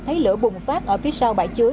thấy lửa bùng phát ở phía sau bãi chứa